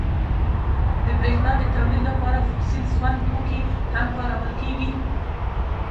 • د برېښنا د تولید لپاره فوسیل سون توکي هم کارول کېږي.